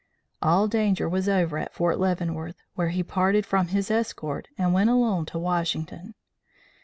All danger was over at Fort Leavenworth, where he parted from his escort and went alone to Washington.